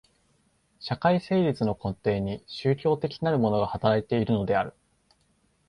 社会成立の根底に宗教的なるものが働いているのである。